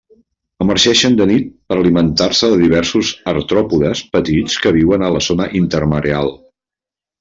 Emergeixen de nit per alimentar-se de diversos artròpodes petits que viuen a la zona intermareal.